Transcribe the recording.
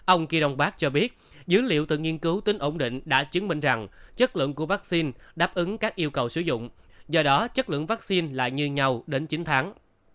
ông kilonbak cho biết dữ liệu từ nghiên cứu tính ổn định đã chứng minh rằng chất lượng của vaccine đáp ứng các yêu cầu sử dụng do đó chất lượng vaccine là như nhau đến chín tháng